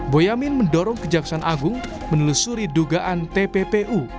boyamin mendorong kejaksaan agung menelusuri dugaan tppu